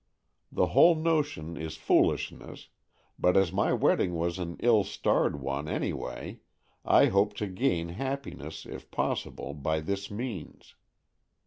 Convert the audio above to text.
The whole notion is foolishness, but as my wedding was an ill starred one, any way, I hoped to gain happiness, if possible, by this means.